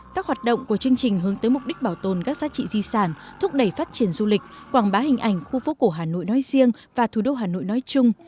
các hoạt động của chương trình hướng tới mục đích bảo tồn các giá trị di sản thúc đẩy phát triển du lịch quảng bá hình ảnh khu phố cổ hà nội nói riêng và thủ đô hà nội nói chung